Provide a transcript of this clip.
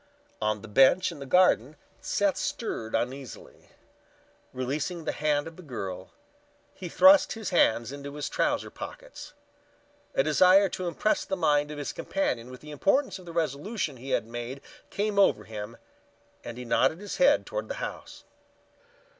On the bench in the garden Seth stirred uneasily. Releasing the hand of the girl, he thrust his hands into his trouser pockets. A desire to impress the mind of his companion with the importance of the resolution he had made came over him and he nodded his head toward the house.